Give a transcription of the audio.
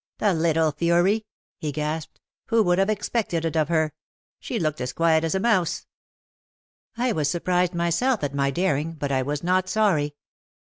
"The little fury," he gasped, "who would have ex pected it of her? She looked as quiet as a mouse." I was surprised myself at my daring, but I was not sorry.